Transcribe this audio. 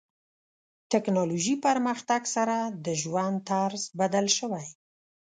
ټکنالوژي پرمختګ سره د ژوند طرز بدل شوی.